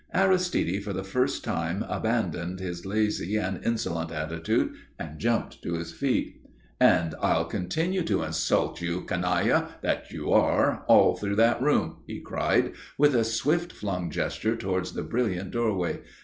Aristide for the first time abandoned his lazy and insolent attitude and jumped to his feet. "And I'll continue to insult you, canaille that you are, all through that room," he cried, with a swift flung gesture towards the brilliant doorway.